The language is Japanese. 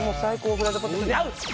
フライドポテトに合う！